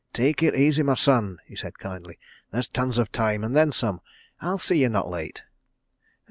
"Take it easy, my son," he said kindly. "There's tons of time, and then some. I'll see you're not late.